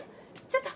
ちょっと。